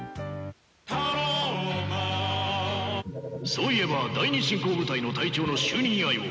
そういえば第二侵攻部隊の隊長の就任祝いを。